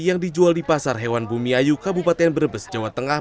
yang dijual di pasar hewan bumi ayu kabupaten brebes jawa tengah